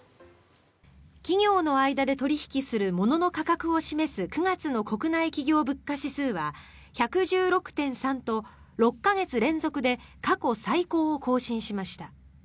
企業の間で取引する物の価格を示す９月の国内企業物価指数は１１６．３と、６か月連続で過去最高を更新しました。